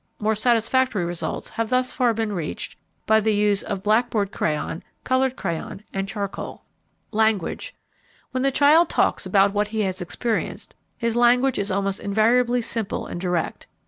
More satisfactory results have thus far been reached by the use of blackboard crayon, colored crayon, and charcoal. Language. When the child talks about what he has experienced, his language is almost invariably simple and direct.